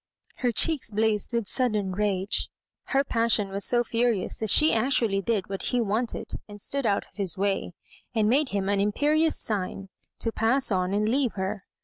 Her cheeks blazed with sudden rage, her passion was so furious that she actually did what he wanted and stood out of his way, and made him an im |)erious sign to pass on and leave her.